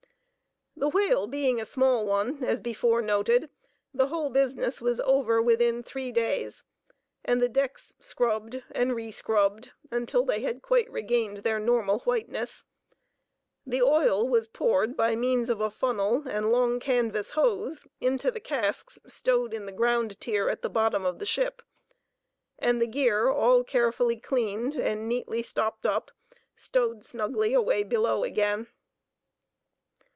The whale being a small one, as before noted, the whole business was over within three days, and the decks scrubbed and re scrubbed until they had quite regained their normal whiteness. The oil was poured by means of a funnel and long canvas hose into the casks stowed in the ground tier at the bottom of the ship, and the gear, all carefully cleaned and neatly "stopped up," stowed snugly away below again.